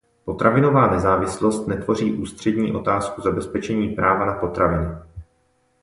Potravinová nezávislost netvoří ústřední otázku zabezpečení práva na potraviny.